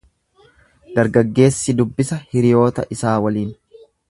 Dargaggeessi dubbisa hiriyoota isaa waliin.